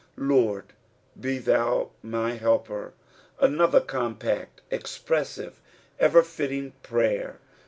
" Lord, be thou my hdper." Another compact, . expressive, ever fitting prsyer.